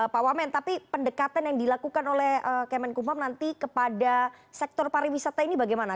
pak wamen tapi pendekatan yang dilakukan oleh kemenkumham nanti kepada sektor pariwisata ini bagaimana